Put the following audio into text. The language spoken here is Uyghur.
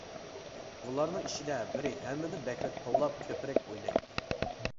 بۇلارنىڭ ئىچىدە بىرى ھەممىدىن بەكرەك توۋلاپ كۆپرەك ئوينايتتى.